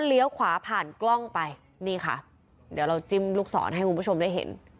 เลี้ยวขวาผ่านกล้องไปนี่ค่ะเดี๋ยวเราจิ้มลูกศรให้คุณผู้ชมได้เห็น